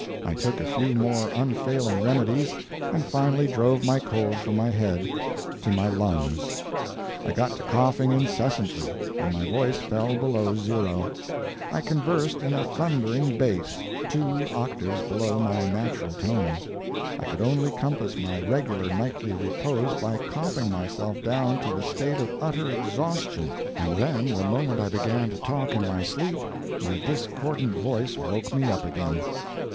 I took a few more unfailing remedies, and finally drove my cold from my head to my lungs. I got to coughing incessantly, and my voice fell below zero; I conversed in a thundering bass, two octaves below my natural tone; I could only compass my regular nightly repose by coughing myself down to a state of utter exhaustion, and then the moment I began to talk in my sleep, my discordant voice woke me up again.